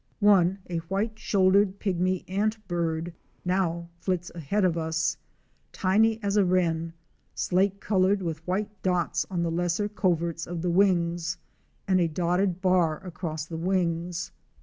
One, a White shouldered Pygmy Ant bird,"' now flits ahead of us, tiny as a Wren, slate colored, with white dots on the lesser coverts of the wings and a dotted bar across the wings.